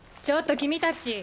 ちょっと君たち。